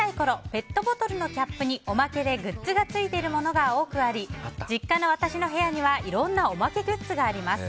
ペットボトルのキャップにおまけで、グッズがついているものが多くあり実家の私の部屋にはいろんなおまけグッズがあります。